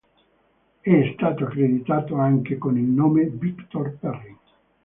È stato accreditato anche con il nome Victor Perrin.